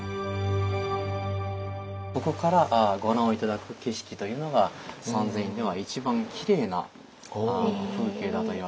ここからご覧を頂く景色というのが三千院では一番きれいな風景だといわれております。